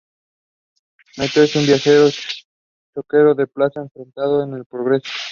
Mateo, un viejo cochero de plaza, enfrentado con el progreso.